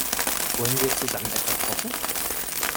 Wollen wir zusammen etwas kochen?